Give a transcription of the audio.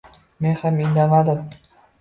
Men ham indamadim.